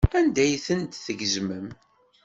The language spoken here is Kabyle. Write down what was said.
Anda ay tent-tgezmem?